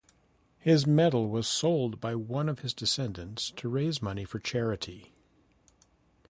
His medal was sold by one of his descendants to raise money for charity.